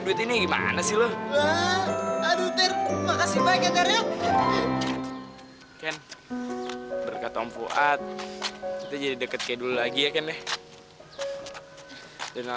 duit ini gimana sih lu aduh terima kasih baiknya terima kasih ken berkat om fuad kita jadi deket ke dulu lagi ya ken ya